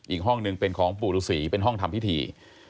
อีกห้องหนึ่งเป็นของปู่ฤษีเป็นห้องทำพิธี